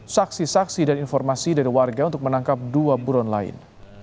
saksi saksi dan informasi dari warga untuk menangkap dua buron lain